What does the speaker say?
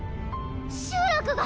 集落が。